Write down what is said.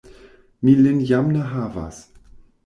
Mi lin jam ne havas!